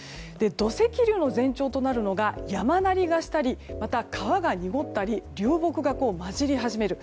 土石流の前兆となるのが山鳴りがしたりまた、川が濁ったり流木が混じり始める。